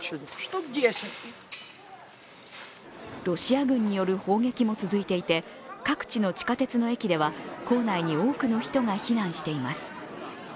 ロシア軍による砲撃も続いていて各地の地下鉄の駅では構内に多くの人が避難しています。